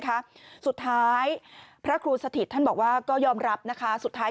สุดท้ายพระครูสถิตท่านบอกว่าก็ยอมรับนะคะสุดท้าย